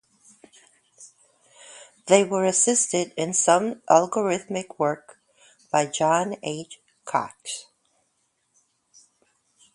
They were assisted in some algorithmic work by John A. Koch.